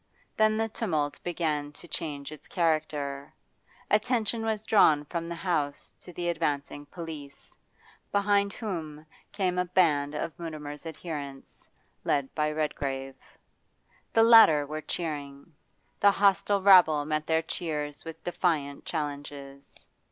Then the tumult began to change its character; attention was drawn from the house to the advancing police, behind whom came a band of Mutimer's adherents, led by Redgrave. The latter were cheering; the hostile rabble met their cheers with defiant challenges.